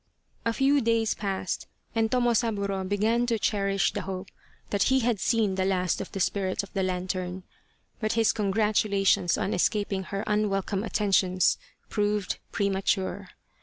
A few days passed and Tomosaburo began to cherish the hope that he had seen the last of the Spirit of the Lantern, but his' congratulations on escaping her un welcome attentions proved premature.